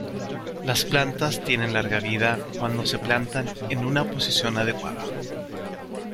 Las plantas tienen larga vida cuando se plantan en una posición adecuada.